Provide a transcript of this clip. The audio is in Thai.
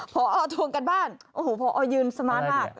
พอทวงการบ้านพอยืนสมาธิมาก